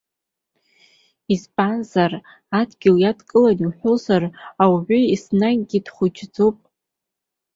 Избанзар, адгьыл иадкыланы иуҳәозар, ауаҩы еснагь дхәыҷуп.